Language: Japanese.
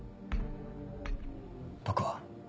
僕は。